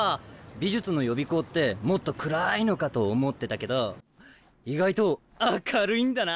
美術の予備校ってもっと暗いのかと思ってたけど意外と明るいんだな！